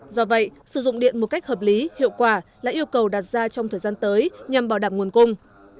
do vậy sử dụng điện một cách hợp lý hiệu quả là yêu cầu đặt ra trong thời gian tới nhằm bảo đảm nguồn cung